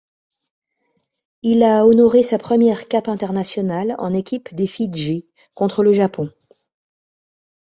Il a honoré sa première cape internationale en équipe des Fidji contre le Japon.